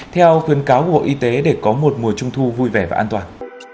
theo khuyến cáo của bộ y tế để có một mùa trung thu vui vẻ và an toàn